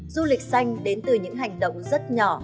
du lịch xanh đến từ những hành động rất nhỏ